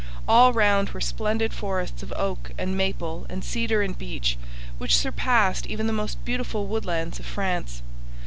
All round were splendid forests of oak and maple and cedar and beech, which surpassed even the beautiful woodlands of France.